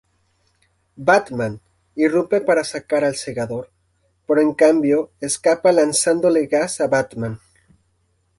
Batman irrumpe para sacar al Segador pero en cambio escapa lanzándole gas a Batman.